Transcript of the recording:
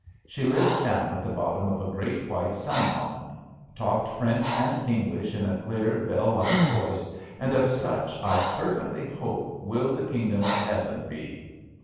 She lived down at the bottom of a great white sun bonnet; talked French and English in a clear, bell like voice, and of such I fervently hope will the King dom of Heaven be.